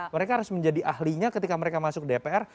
mereka harus menjadi ahlinya ketika mereka masuk dpr